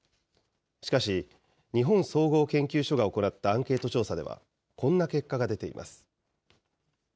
しかし、日本総合研究所が行ったアンケート調査では、こんな結果が出ています。